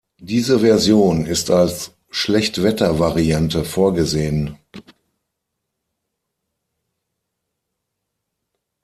Diese Version ist als Schlechtwetter-Variante vorgesehen.